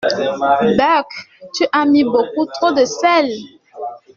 Beurk! Tu as mis beaucoup trop de sel!